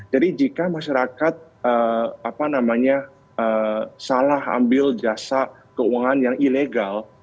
jika masyarakat salah ambil jasa keuangan yang ilegal